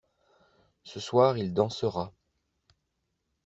Ce soir il dansera.